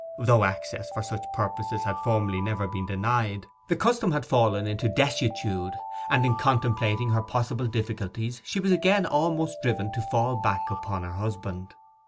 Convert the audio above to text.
Though access for such purposes had formerly never been denied, the custom had fallen into desuetude; and in contemplating her possible difficulties, she was again almost driven to fall back upon her husband.